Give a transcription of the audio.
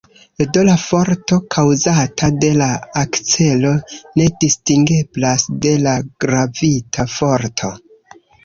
Do la forto kaŭzata de la akcelo ne distingeblas de la gravita forto.